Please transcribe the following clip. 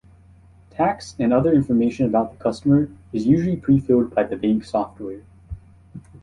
Tax and other information about the customer is usually pre-filled by the bank software.